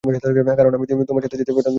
কারণ আমি তার পছন্দের কাছে বাঁধ সাধতে চাইনা।